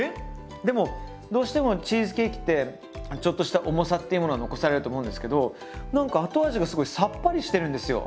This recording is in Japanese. ⁉でもどうしてもチーズケーキってちょっとした重さっていうものが残されると思うんですけど何か後味がすごいさっぱりしてるんですよ。